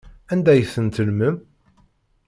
Anda ay ten-tellmem?